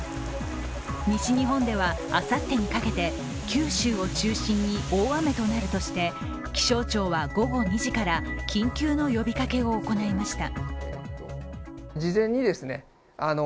西日本ではあさってにかけて、九州を中心に大雨となるとして、気象庁は午後２時から、緊急の呼びかけを行いました。